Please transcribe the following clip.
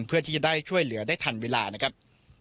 เพื่อที่จะได้ช่วยเหลือได้ทันเวลานะครับ